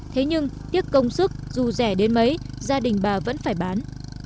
thế nhưng tiếc công sức dù rẻ đến mấy gia đình bà vẫn phải bán